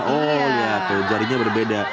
oh lihat tuh jarinya berbeda